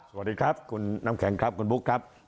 สวัสดีครับคุณน้ำแข็งครับคุณบุ๊คครับ